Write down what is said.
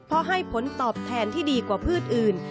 เพราะให้ผลตอบแทนที่ดีกว่าพืชอื่น